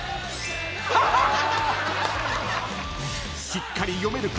［しっかり読めるか？］